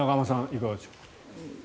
いかがでしょうか。